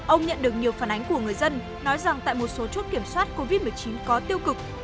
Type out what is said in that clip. ông nhận được nhiều phản ánh của người dân nói rằng tại một số chốt kiểm soát covid một mươi chín có tiêu cực